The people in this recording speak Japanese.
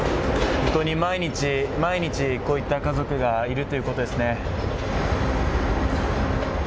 本当に毎日、毎日こういった家族がいるということですね。